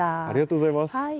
ありがとうございます。